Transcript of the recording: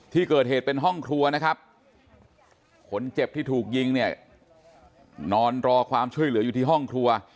ที่เกิดเหตุเป็นห้องครัวนะครับคนเจ็บที่ถูกยิงเนี่ยนอนรอความช่วยเหลืออยู่ที่ห้องครัว